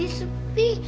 di sini sepi